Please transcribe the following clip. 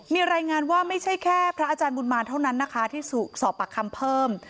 มีรายงานว่าไม่ใช่แค่พระอาจารย์บุญมาเท่านั้นนะคะที่ถูกสอบปากคำเพิ่ม